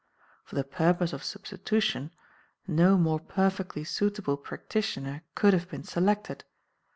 For the purpose of substitution, no more perfectly suitable practitioner could have been selected.